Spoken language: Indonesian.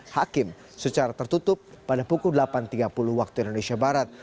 hakim secara tertutup pada pukul delapan tiga puluh waktu indonesia barat